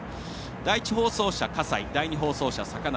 第１放送車、笠井第２放送車、坂梨